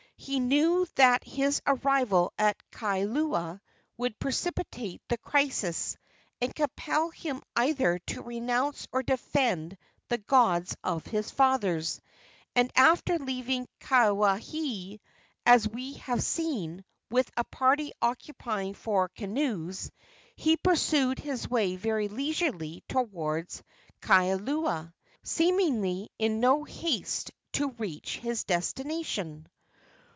He knew that his arrival at Kailua would precipitate the crisis, and compel him either to renounce or defend the gods of his fathers; and after leaving Kawaihae, as we have seen, with a party occupying four canoes, he pursued his way very leisurely toward Kailua, seemingly in no haste to reach his destination.